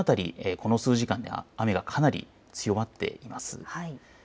この数時間で雨がかなり強まっています。